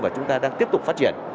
và chúng ta đang tiếp tục phát triển